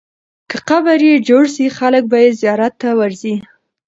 که قبر یې جوړ سي، خلک به یې زیارت ته ورځي.